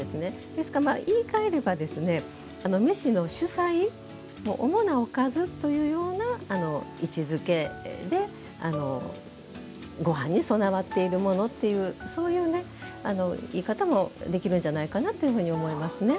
ですから、言いかえれば飯の主菜主なおかずという位置づけでごはんに供わっているものというそういう言い方もできるんじゃないかなと思いますね。